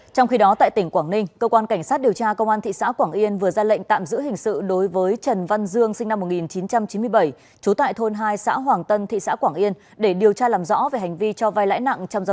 trong khi đó tại tỉnh quảng ninh cơ quan cảnh sát điều tra công an thị xã quảng yên vừa ra lệnh tạm giữ hình sự đối với trần văn dương sinh năm một nghìn chín trăm chín mươi